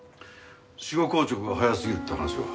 死後硬直が早すぎるって話は？